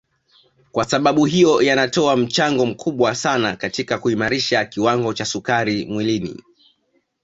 Kwasababu hiyo yanatoa mchango mkubwa sana katika kuimarisha kiwango cha sukari mwilini